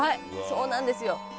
「そうなんですよ」